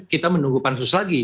kita menunggu pansus lagi